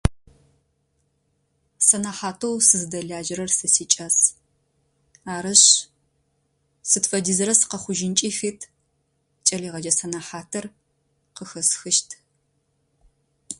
Сэнахьатэу сыздэлажьэрэр сэ сикӏас. Арышъ, сыд фэдизрэ сыкъэхъужьынкӏи фит. Кӏэлэегъаджэ сэнэхьатыр къыхэсхыщт.